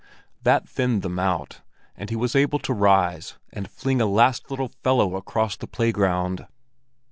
That thinned them out, and he was able to rise and fling a last little fellow across the playground.